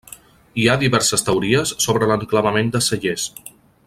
Hi ha diverses teories sobre l'enclavament de Cellers.